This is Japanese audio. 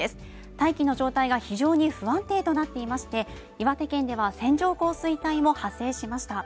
大気の状態が非常に不安定となっていまして岩手県では線状降水帯も発生しました